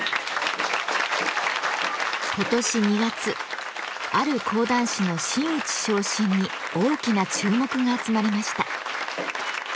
今年２月ある講談師の真打ち昇進に大きな注目が集まりました。